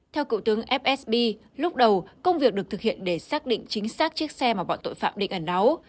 theo cựu tướng fsb lúc đầu công việc được thực hiện để xác định chính xác chiếc xe mà bọn tội phạm định ẩn náu